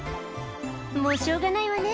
「もうしょうがないわね